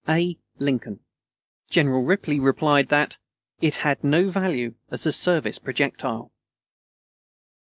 A. LINCOLN. General Ripley replied that "it had no value as a service projectile."